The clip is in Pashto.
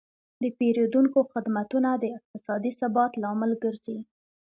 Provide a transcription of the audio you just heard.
د پیرودونکو خدمتونه د اقتصادي ثبات لامل ګرځي.